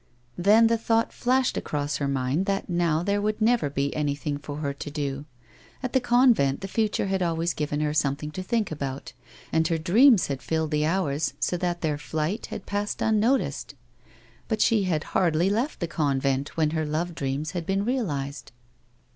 Then the thought flashed across her mind that now there never would be anything for her to do. At the convent the future had always given her something to think about, and her dreams had filled the hours, so that their flight had passed imnoticed ; but she had hardly left the convent when her love dreams had been realised.